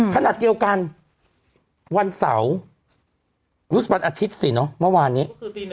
ขณะเดียวกันวันเสาร์รู้สึกวันอาทิตย์สิเนอะเมื่อวานนี้